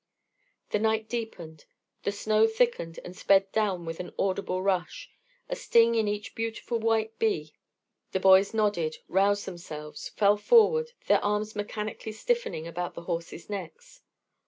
The night deepened. The snow thickened and sped down with an audible rush, a sting in each beautiful white bee. The boys nodded, roused themselves, fell forward, their arms mechanically stiffening about the horses' necks.